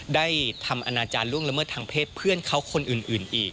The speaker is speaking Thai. ได้ทำอนาจารย์ล่วงละเมิดทางเพศเพื่อนเขาคนอื่นอีก